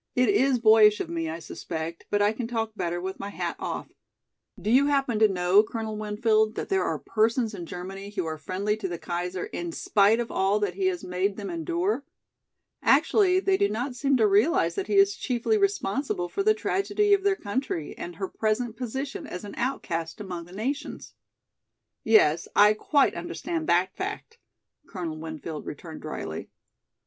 "It is boyish of me, I suspect, but I can talk better with my hat off. Do you happen to know, Colonel Winfield, that there are persons in Germany who are friendly to the Kaiser in spite of all that he has made them endure? Actually they do not seem to realize that he is chiefly responsible for the tragedy of their country and her present position as an outcast among the nations." "Yes, I quite understand that fact," Colonel Winfield returned drily.